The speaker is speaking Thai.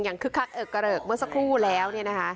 อย่างคึกคักเกลือกเมื่อสักครู่แล้ว